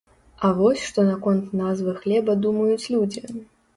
А вось што наконт назвы хлеба думаюць людзі.